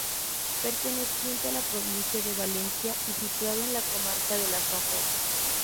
Perteneciente a la provincia de Valencia y situado en la comarca de la Safor.